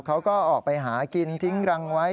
เขาก็ออกไปหากินทิ้งรังไว้